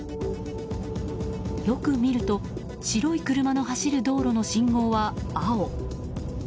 よく見ると白い車の走る道路の信号は青。